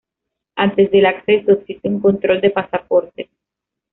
Antes del acceso, existe un control de pasaportes.